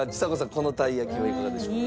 このたい焼きはいかがでしょうか？